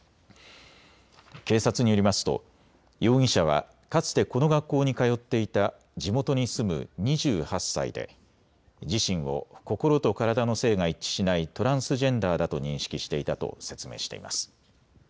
警察によりますと容疑者はかつてこの学校に通っていた地元に住む２８歳で自身を心と体の性が一致しないトランスジェンダーだと認識していたと説明しています。